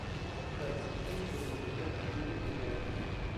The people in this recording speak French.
Son portrait se trouve dans le pavillon des maîtres.